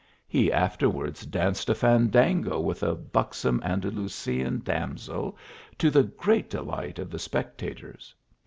He afterwards danced a fandango with a buxom Andalusian damsel, to the great delight of the spec tators.